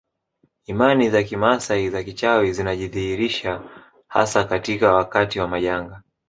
Imani za kimaasai za kichawi zinajidhihirisha hasa katika wakati wa majanga